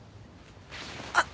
あっ！